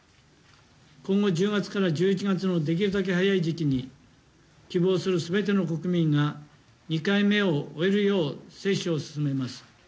今後１０月から１１月のできるだけ早い時期に、希望する全ての国民が２回目を終えるよう接種を進めます。